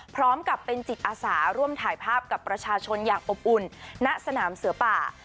พร้อมกับเป็นจิตอาสาร่วมถ่ายภาพกับประชาชนอย่างอบอุ่นณสนามเสือป่า